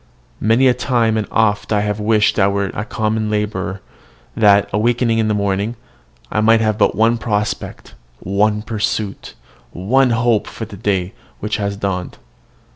Many a time and oft I wish I were a common labourer; that, awakening in the morning, I might have but one prospect, one pursuit, one hope, for the day which has dawned.